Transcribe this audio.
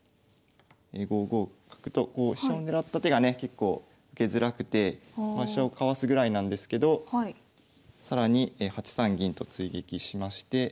５五角と飛車を狙った手がね結構受けづらくてまあ飛車をかわすぐらいなんですけど更に８三銀と追撃しまして。